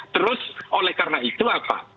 terus oleh karena itu apa